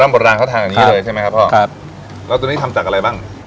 โบราณเขาทานอย่างนี้เลยใช่ไหมครับพ่อครับแล้วตัวนี้ทำจากอะไรบ้าง